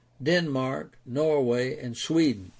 Denmark, Norway, and Sweden.